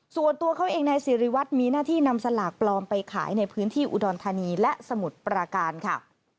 ส่วนตัวเขาเองนายสิริวัตรมีหน้าที่นำสลากปลอมไปขายในพื้นที่อุดรธานีและสมุทรปราการค่ะ